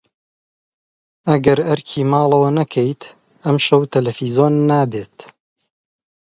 ئەگەر ئەرکی ماڵەوەت نەکەیت، ئەمشەو تەلەڤیزیۆن نابێت.